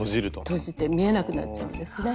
とじて見えなくなっちゃうんですね。